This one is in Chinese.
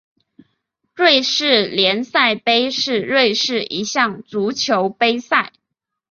瑞士联赛杯是瑞士一项足球杯赛。